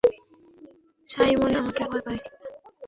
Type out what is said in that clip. Simon আমাকে ভয় পায়!